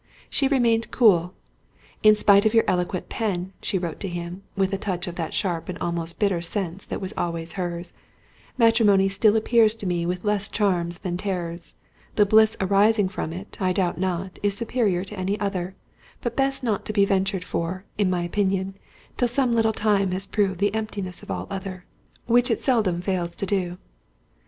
She remained cool. "In spite of your eloquent pen," she wrote to him, with a touch of that sharp and almost bitter sense that was always hers, "matrimony still appears to me with less charms than terrors: the bliss arising from it, I doubt not, is superior to any other—but best not to be ventured for (in my opinion), till some little time have proved the emptiness of all other; which it seldom fails to do."